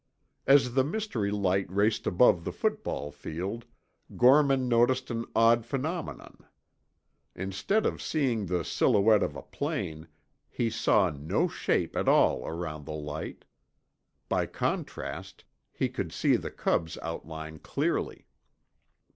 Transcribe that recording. As the mystery light raced above the football field. Gorman noticed an odd phenomenon. Instead of seeing the silhouette of a plane, he saw no shape at all around the light. By contrast, he could see the Cub's outline clearly.